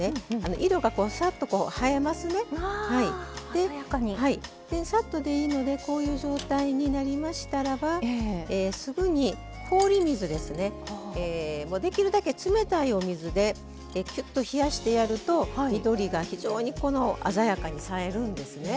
でさっとでいいのでこういう状態になりましたらばすぐに氷水ですねもうできるだけ冷たいお水できゅっと冷やしてやると緑が非常にこの鮮やかにさえるんですね。